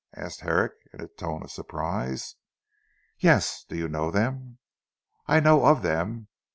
asked Herrick in a tone of surprise. "Yes! Do you know them?" "I know of them.